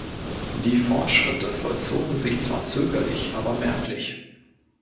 Die Fortschritte vollzogen sich zwar zögerlich, aber merklich.